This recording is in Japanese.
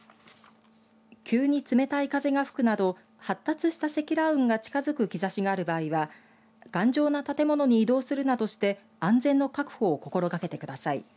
急に冷たい風が吹くなど発達した積乱雲が近づく兆しがある場合は頑丈な建物に移動するなどして安全の確保を心がけてください。